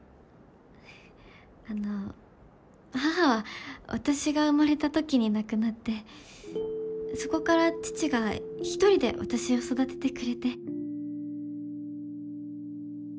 あの母は私が生まれたときに亡くなってそこから父が一人で私を育ててくれて。